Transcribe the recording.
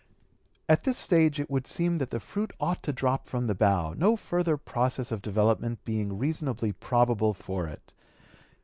At this stage it would seem that the fruit ought to drop from the (p. 220) bough, no further process of development being reasonably probable for it.